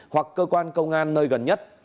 hoặc cơ quan công an nơi gần nhất